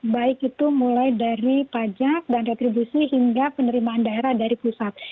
baik itu mulai dari pajak dan retribusi hingga penerimaan daerah dari pusat